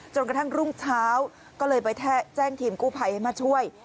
จนกระทั่งรุ่งเช้าก็เลยไปแท่งทีมกู้ไผ่มาช่วย